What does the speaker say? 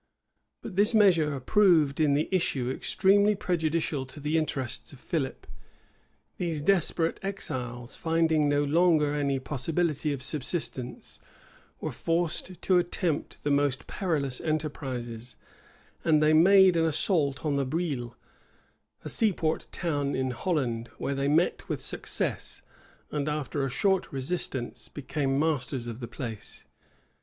But this measure proved in the issue extremely prejudicial to the interests of Philip. These desperate exiles, finding no longer any possibility of subsistence, were forced to attempt the most perilous enterprises; and they made an assault on the Brille, a seaport town in Holland, where they met with success, and after a short resistance became masters of the place.[*] * Camden, p.